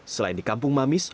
selain di kampung mamis